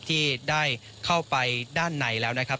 ที่ได้เข้าไปด้านในแล้วนะครับ